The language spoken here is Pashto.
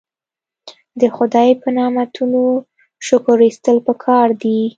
د خدای په نعمتونو شکر ایستل پکار دي.